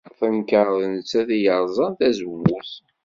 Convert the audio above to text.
Tenkeṛ d nettat ay yerẓan tazewwut.